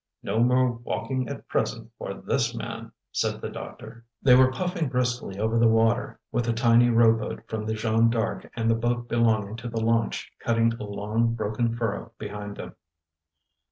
"No more walking at present for this man!" said the doctor. They were puffing briskly over the water, with the tiny rowboat from the Jeanne D'Arc and the boat belonging to the launch cutting a long broken furrow behind them.